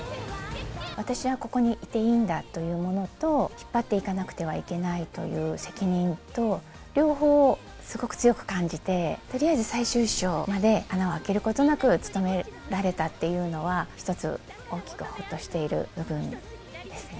私はここにいていいんだというものと、引っ張っていかなくてはいけないという責任と両方、すごく強く感じて、とりあえず最終章まで穴を開けることなく務められたというのは、１つ大きくほっとしている部分ですね。